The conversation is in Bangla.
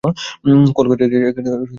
কল কেটে গেছে।